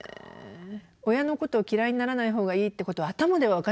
親のことを嫌いにならない方がいいってことは頭では分かってるんですよ